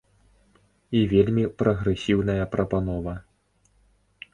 І вельмі прагрэсіўная прапанова.